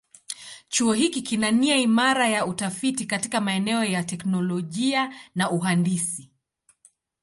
Chuo hiki kina nia imara ya utafiti katika maeneo ya teknolojia na uhandisi.